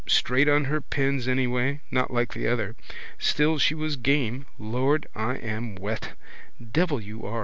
Straight on her pins anyway not like the other. Still she was game. Lord, I am wet. Devil you are.